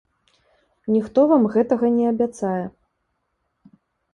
Ніхто вам гэтага не абяцае.